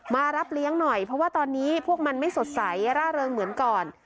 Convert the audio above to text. มารับเลี้ยงหน่อยเพราะว่าตอนนี้พวกมันไม่สดใสร่าเริงเหมือนก่อน